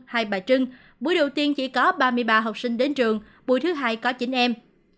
hai bà trưng buổi đầu tiên chỉ có ba mươi ba học sinh đến trường buổi thứ hai có chín em